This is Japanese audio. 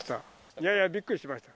いやいや、びっくりしました。